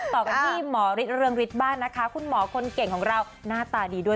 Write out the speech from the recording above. ต่อกันที่หมอฤทธิเรืองฤทธิ์บ้างนะคะคุณหมอคนเก่งของเราหน้าตาดีด้วย